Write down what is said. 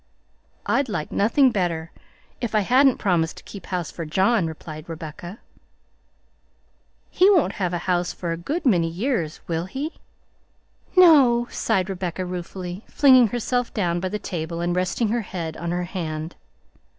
"I'd like nothing better, if I hadn't promised to keep house for John," replied Rebecca. "He won't have a house for a good many years, will he?" "No," sighed Rebecca ruefully, flinging herself down by the table and resting her head on her hand.